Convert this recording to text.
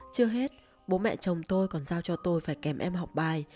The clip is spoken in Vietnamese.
chưa hết bố mẹ chồng tôi còn giao cho tôi phải kèm em học bài